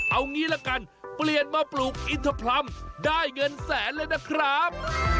เอางี้ละกันเปลี่ยนมาปลูกอินทพรัมได้เงินแสนเลยนะครับ